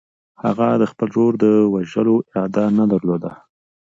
هغه د خپل ورور د وژلو اراده نه درلوده.